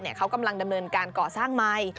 เขากำลังดำเนินการก่อสร้างใหม่